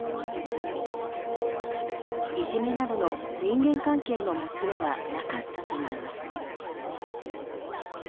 いじめなどの人間関係のもつれはなかったといいます。